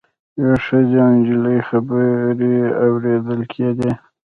یوې ښځې او نجلۍ خبرې اوریدل کیدې.